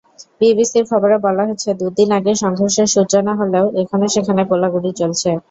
বিবিসির খবরে বলা হয়েছে, দুদিন আগে সংঘর্ষের সূচনা হলেও এখনো সেখানে গোলাগুলি চলছে।